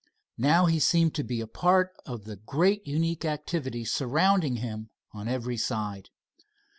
Now he seemed to be a part of the great unique activity surrounding him on every side.